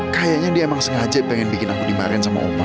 kayaknya dia emang sengaja pengen bikin aku dimarahin sama opa